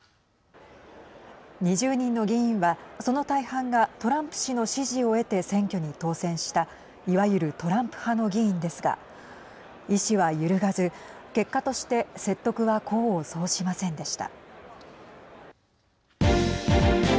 ２０人の議員は、その大半がトランプ氏の支持を得て選挙に当選したいわゆるトランプ派の議員ですが意思は揺るがず、結果として説得は功を奏しませんでした。